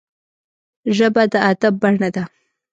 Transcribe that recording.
ژبه د ادب بڼه ده